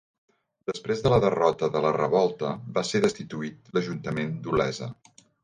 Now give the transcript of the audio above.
Després de la derrota de la revolta, va ser destituït l'Ajuntament d'Olesa.